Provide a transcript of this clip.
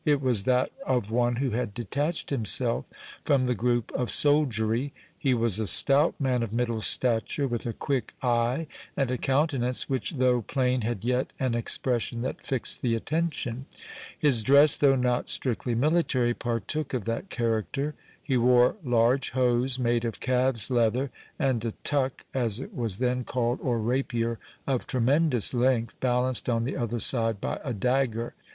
It was that of one who had detached himself from the group of soldiery. He was a stout man of middle stature, with a quick eye, and a countenance, which, though plain, had yet an expression that fixed the attention. His dress, though not strictly military, partook of that character. He wore large hose made of calves leather, and a tuck, as it was then called, or rapier, of tremendous length, balanced on the other side by a dagger.